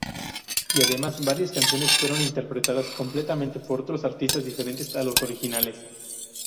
Y además, varias canciones fueron interpretadas completamente por otros artistas diferentes a los originales.